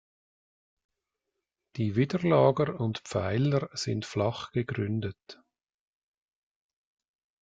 Die Widerlager und Pfeiler sind flach gegründet.